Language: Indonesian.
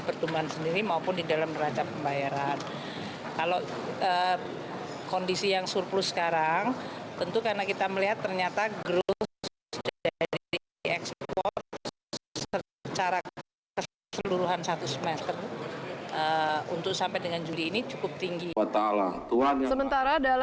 pertumbuhan ekonomi terjadi karena meningkatnya investasi dan impor barang modal